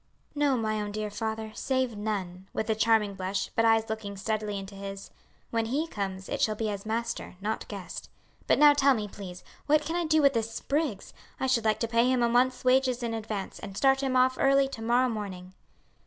"No, my own dear father, save none," with a charming blush, but eyes looking steadily into his; "when he comes, it shall be as master, not guest. But now tell me, please, what can I do with this Spriggs? I should like to pay him a month's wages in advance, and start him off early to morrow morning."